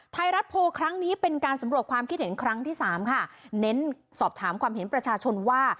ไทยรัฐโพลครั้งนี้เป็นการสำรวจความคิดเห็นครั้งที่สามค่ะเน้นสอบถามความเห็นประชาชนว่า